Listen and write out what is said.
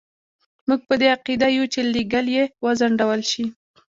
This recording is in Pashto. موږ په دې عقیده یو چې لېږل یې وځنډول شي.